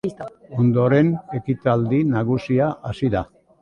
Ondoren, ekitaldi nagusia hasi da.